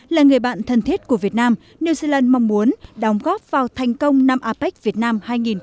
là người bạn thân thiết của việt nam new zealand mong muốn đóng góp vào thành công năm apec việt nam hai nghìn hai mươi